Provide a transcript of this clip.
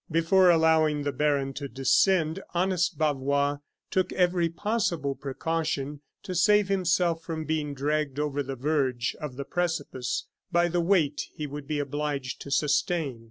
Before allowing the baron to descend, honest Bavois took every possible precaution to save himself from being dragged over the verge of the precipice by the weight he would be obliged to sustain.